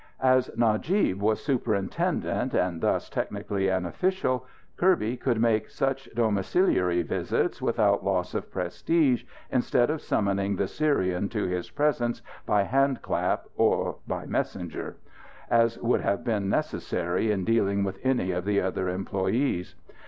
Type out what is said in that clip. As Najib was superintendent, and thus technically an official, Kirby could make such domiciliary visits without loss of prestige, instead of summoning the Syrian to his presence by handclap of by messenger, as would have been necessary in dealing with any of the other employees.